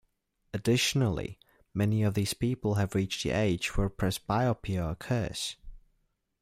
Additionally, many of these people have reached the age where presbyopia occurs.